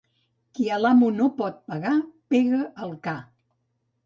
Qui a l'amo no pot pegar, pega al ca.